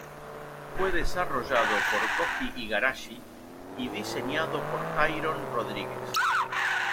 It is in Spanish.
Fue desarrollado por Koji Igarashi y diseñado por Tyrone Rodríguez.